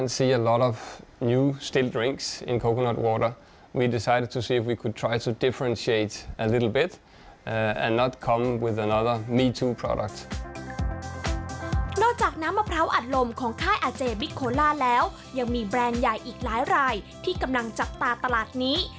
นอกจากน้ำมะพร้าวอัดลมของค่ายอาเจบิ๊กโคล่าแล้วยังมีแบรนด์ใหญ่อีกหลายรายที่กำลังจับตาตลาดนี้